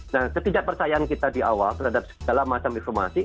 nah ketidakpercayaan kita di awal terhadap segala macam informasi